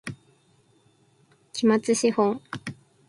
期末資本